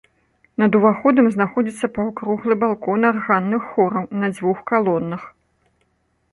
Над уваходам знаходзіцца паўкруглы балкон арганных хораў на дзвюх калонах.